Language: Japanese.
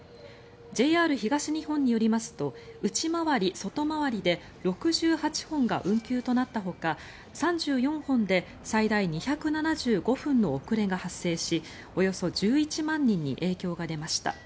ＪＲ東日本によりますと内回り・外回りで６８本が運休となったほか３４本で最大２７５分の遅れが発生しおよそ１１万人に影響が出ました。